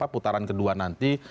putaran kedua nanti